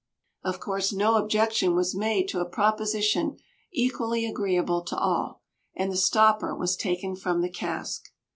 Of course no objection was made to a proposition equally agreeable to all; and the stopper was taken from the cask.